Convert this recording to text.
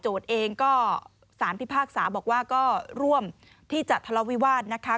เองก็สารพิพากษาบอกว่าก็ร่วมที่จะทะเลาวิวาสนะคะ